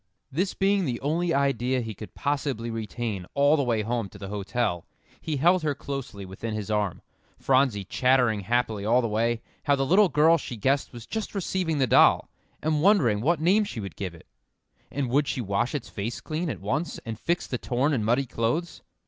This being the only idea he could possibly retain all the way home to the hotel, he held her closely within his arm, Phronsie chattering happily all the way, how the little girl she guessed was just receiving the doll, and wondering what name she would give it, and would she wash its face clean at once, and fix the torn and muddy clothes?